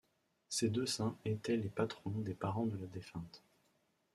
Ces deux saints étaient les patrons des parents de la défunte.